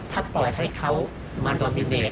ถ้าปล่อยให้เขามารอนดิเนต